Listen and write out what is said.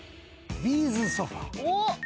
ビーズソファ。